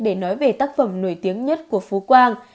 để nói về tác phẩm nổi tiếng nhất của phú quang